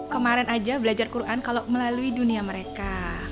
kemarin aja belajar quran kalau melalui dunia mereka